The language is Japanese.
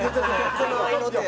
この合いの手。